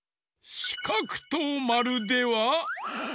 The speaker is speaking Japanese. しかくとまるでは？